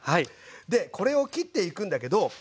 でこれを切っていくんだけどこれもね